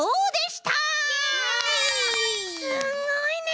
すごいね！